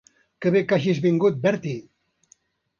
Què bé que hagis vingut, Bertie.